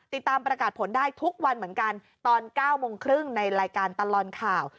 ติดตามประกาศผลได้ทุกวันเหมือนกันตอน๙โมงครึ่งในรายการตลอดข่าว